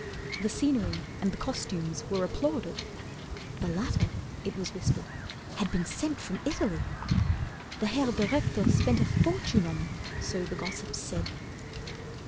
The scenery and the costumes were applauded, The latter it was whispered had been sent From Italy. The Herr Direktor spent A fortune on them, so the gossips said.